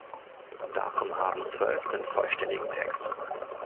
Davon haben zwölf den vollständigen Text.